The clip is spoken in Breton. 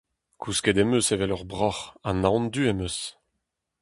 Kousket em eus evel ur broc'h, ha naon du am eus.